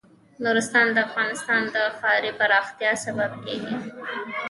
نورستان د افغانستان د ښاري پراختیا سبب کېږي.